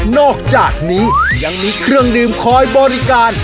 อกจากนี้ยังมีเครื่องดื่มคอยบริการ